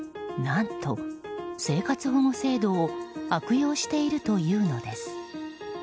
何と、生活保護制度を悪用しているというのです。